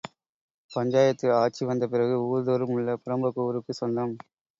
பஞ்சாயத்து ஆட்சி வந்த பிறகு, ஊர்தோறும் உள்ள புறம்போக்கு ஊருக்குச் சொந்தம்.